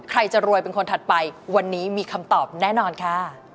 ใครจะรวยเป็นคนถัดไปวันนี้มีคำตอบแน่นอนค่ะ